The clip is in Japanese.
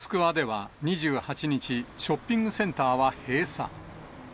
首都モスクワでは２８日、ショッピングセンターは閉鎖。